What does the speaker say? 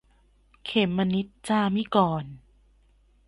เขมนิจ จามิกรณ์